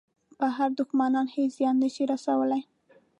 بهر دوښمنان هېڅ زیان نه شي رسولای.